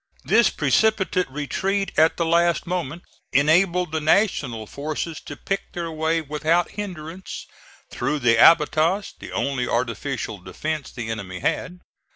This precipitate retreat at the last moment enabled the National forces to pick their way without hinderance through the abatis the only artificial defence the enemy had.